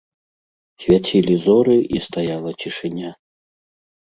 Свяцілі зоры, і стаяла цішыня.